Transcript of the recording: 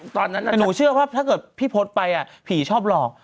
ตอนนั้นนะครับถ้าเกิดพี่พลตไปผีชอบหลอก